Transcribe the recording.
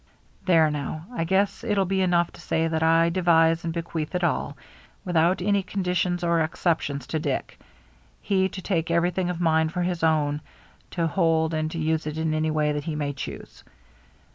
There, now, I guess it'll be enough to say that I devise and bequeath it all, without any conditions or exceptions, to Dick, he to take everything of mine for his own, to hold and to use in any way that he may choose.